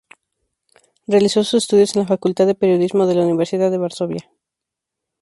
Realizó sus estudios en la Facultad de Periodismo de la Universidad de Varsovia.